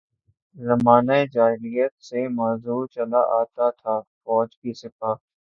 زمانہ جاہلیت سے معزز چلا آتا تھا، فوج کی سپہ